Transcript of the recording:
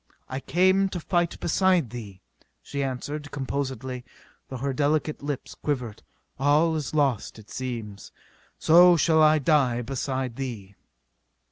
"I came to fight beside thee," she answered composedly, though her delicate lips quivered. "All is lost, it seems. So shall I die beside thee."